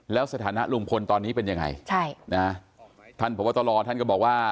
แล้วสถานะลุงพลตอนนี้เป็นยังไงท่านผัวตลอดท่านก็บอกว่า